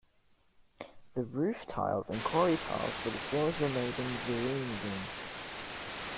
The roof tiles and quarry tiles for the floors were made in Vereeniging.